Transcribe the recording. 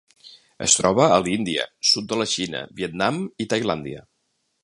Es troba a l'Índia, sud de la Xina, Vietnam i Tailàndia.